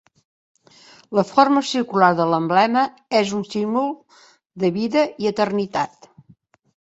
La forma circular de l'emblema és un símbol de vida i eternitat.